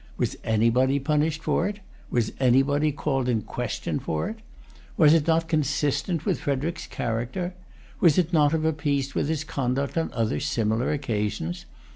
Was anybody punished for it? Was anybody called in question for it? Was it not consistent with Frederic's character? Was it not of a piece with his conduct on other similar occasions?